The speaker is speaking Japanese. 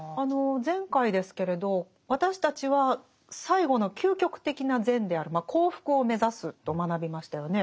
前回ですけれど私たちは最後の究極的な善である「幸福」を目指すと学びましたよね。